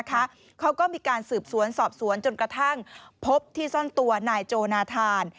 เขาก็มีการสืบสวนสอบสวนจนกระทั่งพบที่ซ่อนตัวนายโจนาธาน